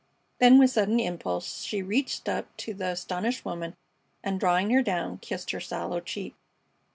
Then with sudden impulse she reached up to the astonished woman and, drawing her down, kissed her sallow cheek.